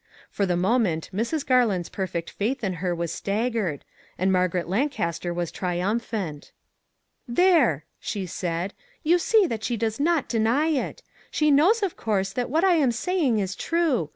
For the moment Mrs. Garland's perfect faith in her was staggered, and Margaret Lancaster was triumphant. " There !" she said, " you see that she does not deny it; she knows, of course, that what I am saying is true.